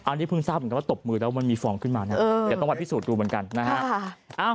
อันนี้เพิ่งทราบเหมือนกันว่าตบมือแล้วมันมีฟองขึ้นมานะ